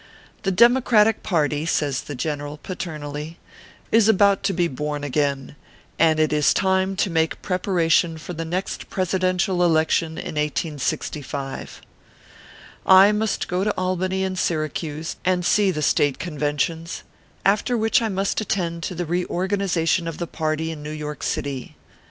The democratic party/ says the general, paternally, " is about to be born again, and it is time to make preparation for the next Presiden tial election in 1865. I must go to Albany and Syracuse, and see the State Conventions ; after which I must attend to the re organization of the party in New York city.